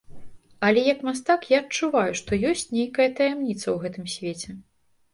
Але як мастак я адчуваю, што ёсць нейкая таямніца ў гэтым свеце.